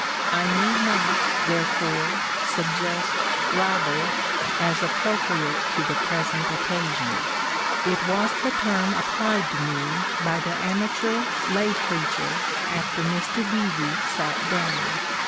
I need not therefore suggest "ribald" as appropriate to the present occasion. It was the term applied to me by the amateur lay preacher after Mr Beevy sat down.